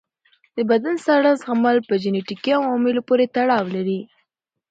د بدن ساړه زغمل په جنیټیکي عواملو پورې تړاو لري.